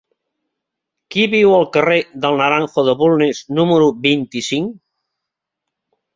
Qui viu al carrer del Naranjo de Bulnes número vint-i-cinc?